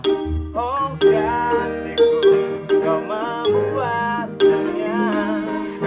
oh kasihku kau membuat dunia